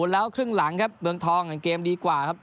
แล้วครึ่งหลังครับเมืองทองเกมดีกว่าครับ